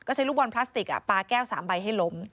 ใช้ลูกบอลพลาสติกปลาแก้ว๓ใบให้ล้ม